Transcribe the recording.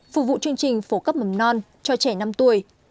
phục vụ chương trình phổ cấp mầm non cho trẻ năm tuổi